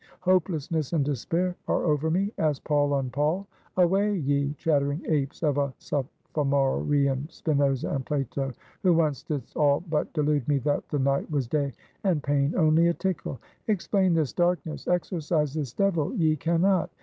Hopelessness and despair are over me, as pall on pall. Away, ye chattering apes of a sophomorean Spinoza and Plato, who once didst all but delude me that the night was day, and pain only a tickle. Explain this darkness, exorcise this devil, ye can not.